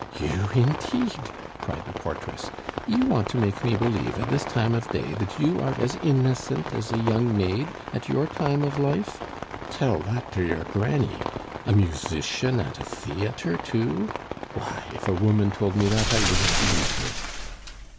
"You, indeed!" cried the portress. "You want to make me believe at this time of day that you are as innocent as a young maid at your time of life. Tell that to your granny! A musician at a theatre too! Why, if a woman told me that, I wouldn't believe her."